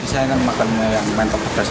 saya ingin makan mentok pedas